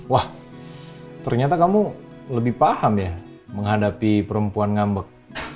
wah ternyata kamu lebih paham ya menghadapi perempuan ngambek